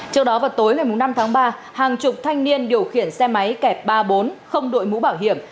trước đó vào tối một mươi năm tháng ba hàng chục thanh niên điều khiển xe máy kẹp ba bốn không đội mũ bảo hiểm